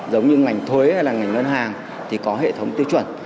giống như ngành thuế hay là ngành ngân hàng thì có hệ thống tiêu chuẩn